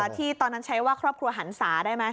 ที่ตอนนั้นใช้ว่าครอบครัวหันศาได้ไหม